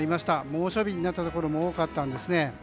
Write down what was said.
猛暑日になったところも多かったんですね。